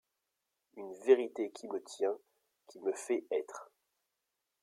Une vérité qui me tient, qui me fait être.